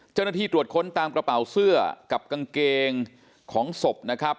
เจ้าหน้าที่ตรวจค้นตามกระเป๋าเสื้อกับกางเกงของศพนะครับ